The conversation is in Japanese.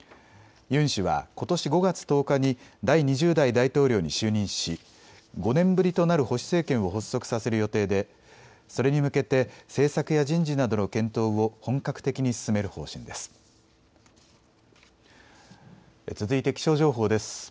ユン氏はことし５月１０日に第２０代大統領に就任し５年ぶりとなる保守政権を発足させる予定でそれに向けて政策や人事などの検討を本格的に進める方針です。